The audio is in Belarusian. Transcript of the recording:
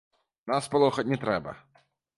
Нас палохаць не трэба.